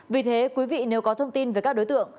vì thế quý vị nếu có thông tin về các đối tượng